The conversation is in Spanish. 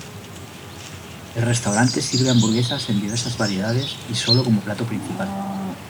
El restaurante sirve hamburguesas en diversas variedades y sólo como plato principal.